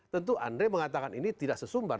tentu andre mengatakan ini tidak sesumbar